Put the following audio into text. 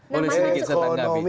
boleh sedikit saya tanggapi